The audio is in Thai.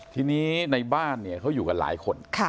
ทีนี้ในบ้านคือยูกับหลายคน